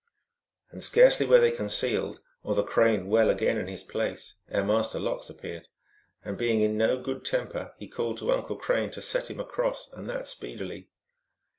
And scarcely were they concealed, or the Crane well again in his place, ere Master Lox appeared. And being in no good temper he called to Uncle Crane to set him across, and that speedily.